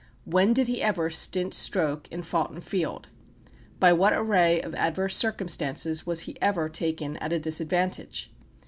When did he ever "stint stroke" in "foughten field"? By what array of adverse circumstances was he ever taken at a disadvantage?